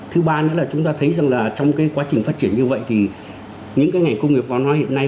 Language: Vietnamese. thứ ba nữa là chúng ta thấy rằng là trong cái quá trình phát triển như vậy thì những cái ngành công nghiệp văn hóa hiện nay